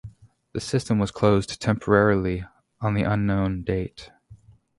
The system was closed temporarily on the unknown date.